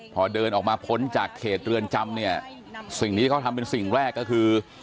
พอเดินออกมาพ้นจากเขตเรือนจำเนี่ยสิ่งที่เขาทำเป็นสิ่งแรกก็คือ